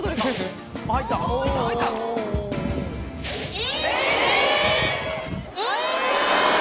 え！